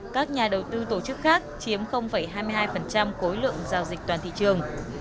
các nhà đầu tư tổ chức khác chiếm hai mươi hai khối lượng giao dịch toàn thị trường